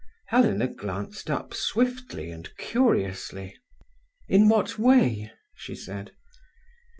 Helena glanced up swiftly and curiously. "In what way?" she said.